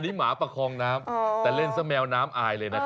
นี่หมาประคองน้ำแต่เล่นซะแมวน้ำอายเลยนะครับ